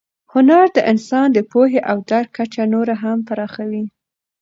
هنر د انسان د پوهې او درک کچه نوره هم پراخوي.